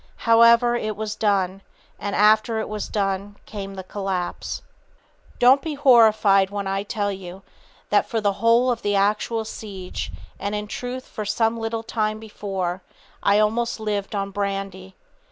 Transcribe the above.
However, it was done, and after it was done came the collapse. [Sidenote: Enduring Power of Mind] "Don't be horrified when I tell you that for the whole of the actual siege, and in truth for some little time before, I almost lived on brandy.